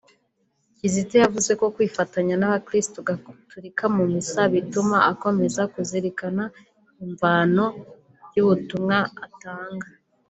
Kizito yavuze ko kwifatanya n’Abakristu Gaturika mu misa bituma akomeza kuzirikana imvano y’ubutumwa atanga